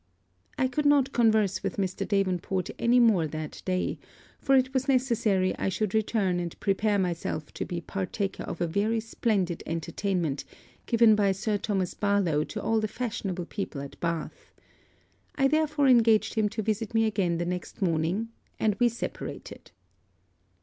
I could not converse with Mr. Davenport any more that day, for it was necessary I should return and prepare myself to be partaker of a very splendid entertainment given by Sir Thomas Barlowe to all the fashionable people at Bath. I therefore engaged him to visit me again the next morning, and we separated.